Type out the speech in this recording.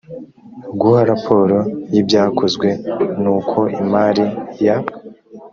guha raporo y ibyakozwe n uko imari ya